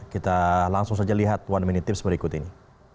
kita langsung saja lihat one minute tips berikut ini